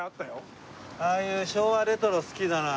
ああいう昭和レトロ好きだなあ。